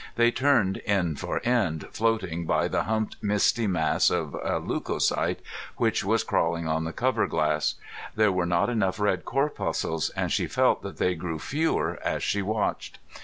They turned end for end, floating by the humped misty mass of a leucocyte which was crawling on the cover glass. There were not enough red corpuscles, and she felt that they grew fewer as she watched.